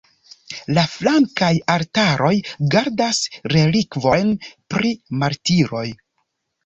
La flankaj altaroj gardas relikvojn pri martiroj.